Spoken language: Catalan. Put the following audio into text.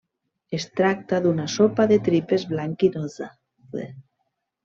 Es tracta d'una sopa de tripes blanquinosa.